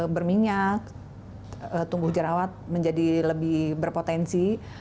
berminyak tumbuh jerawat menjadi lebih berpotensi